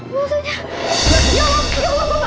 kasian yaudah kita istirahat di dalam ya